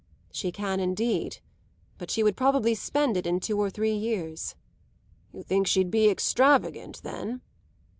"She can indeed. But she would probably spend it in two or three years." "You think she'd be extravagant then?"